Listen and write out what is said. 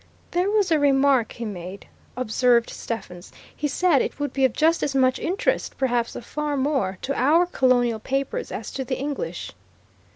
"There was a remark he made," observed Stephens. "He said it would be of just as much interest, perhaps of far more, to our Colonial papers as to the English."